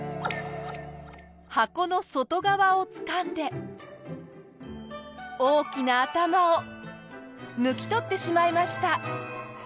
箱の外側をつかんで大きな頭を抜き取ってしまいました。